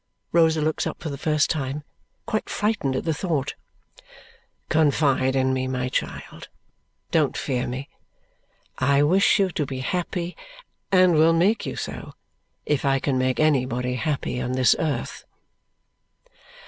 Rosa looks up for the first time, quite frightened at the thought. "Confide in me, my child. Don't fear me. I wish you to be happy, and will make you so if I can make anybody happy on this earth."